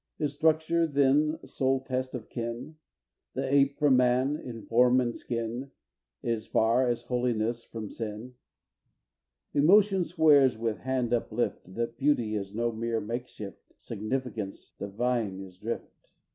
Is structure then sole test of kin? The ape from man, in form and skin, Is far as holiness from sin! Emotion swears with hand uplift, That beauty is no mere makeshift, Significance divine its drift.